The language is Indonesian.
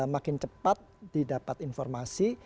makin cepat didapat informasi